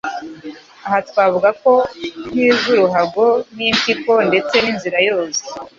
Aha twavuga nk'iz'uruhago n'impyiko ndetse n'inzira yose.